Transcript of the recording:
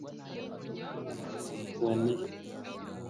Umunya-Lithuania